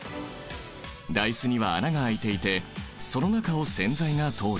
ダイスには穴が開いていてその中を線材が通る。